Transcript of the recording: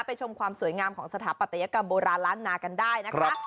ชมความสวยงามของสถาปัตยกรรมโบราณล้านนากันได้นะคะ